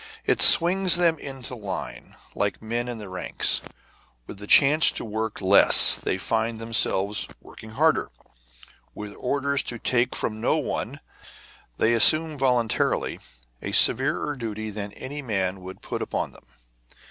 It swings them into line like men in the ranks. With the chance to work less, they find themselves working harder. With orders to take from no one, they assume voluntarily a severer duty than any man would put upon them.